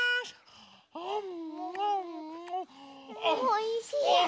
おいしい！